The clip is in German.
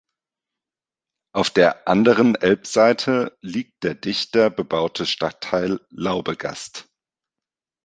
Auf der anderen Elbseite liegt der dichter bebaute Stadtteil Laubegast.